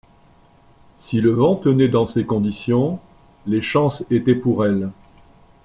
Si le vent tenait dans ces conditions, les chances étaient pour elle.